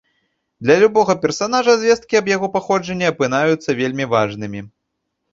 Для любога персанажа звесткі аб яго паходжанні апынаюцца вельмі важнымі.